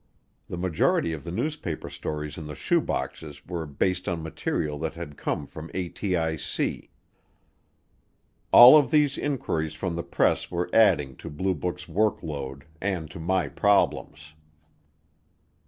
The majority of the newspaper stories in the shoe boxes were based on material that had come from ATIC. All of these inquiries from the press were adding to Blue Book's work load and to my problems.